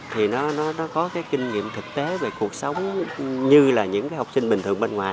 thì nó có kinh nghiệm thực tế về cuộc sống như là những học sinh bình thường bên ngoài